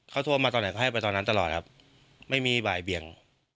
เขารับมันตอนไหนไปตอนนั้นตลอดครับไม่มีใบเบี่ยง